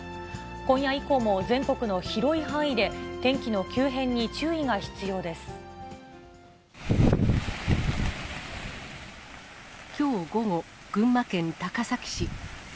今夜以降も全国の広い範囲で、きょう午後、群馬県高崎市。